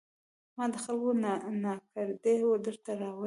ما د خلکو ناکردې درته راوړي